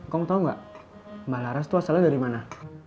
kau mau tau enggak mbak laras tuh asalnya dari mana